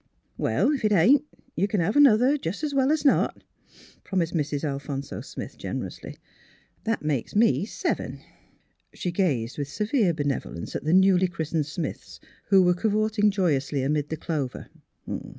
'' Well, if it ain't, you can have another, jus* as well as not," promised Mrs. Alphonso Smith, generously. " That makes me seven." She gazed with severe benevolence at the newly christened Smiths, who were cavorting joyously amid the clover.